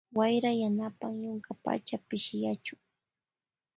Wayra yanapan yunkapacha pishiyachun.